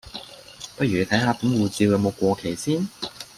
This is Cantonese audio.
不如你睇下本護照有冇過期先